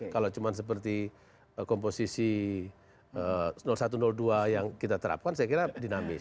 kalau cuma seperti komposisi satu dua yang kita terapkan saya kira dinamis